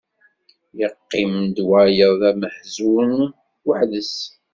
Yeqqim-d wayeḍ d ameḥzun weḥd-s.